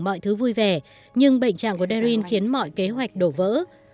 mọi thứ vui vẻ nhưng bệnh trạng của derin khiến mọi kế hoạch đổ vỡ